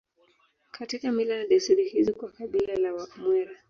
Katika mila na desturi hizo kwa kabila la Wamwera